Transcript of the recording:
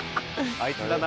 あいつだな。